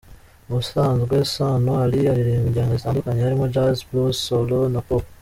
Ubusanzwe Sano Alyn aririmba injyana zitandukanye harimo Jazz, Blues, Sol na Pop.